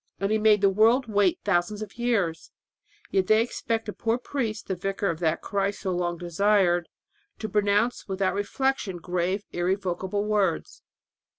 And He made the world wait thousands of years! .... Yet they expect a poor priest, the vicar of that Christ so long desired, to pronounce without reflection grave and irrevocable words.